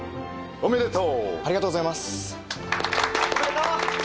おめでとう！